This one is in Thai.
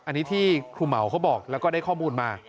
อันนี้ที่ครูเหมาเขาบอกแล้วก็ได้ข้อมูลมา